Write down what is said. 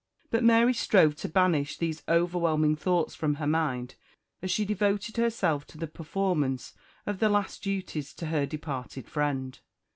But Mary strove to banish these overwhelming thoughts from her mind, as she devoted herself to the performance of the last duties to her departed friend.